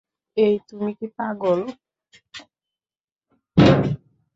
এই, তুমি কি পাগল?